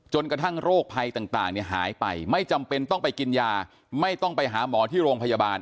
กระทั่งโรคภัยต่างหายไปไม่จำเป็นต้องไปกินยาไม่ต้องไปหาหมอที่โรงพยาบาล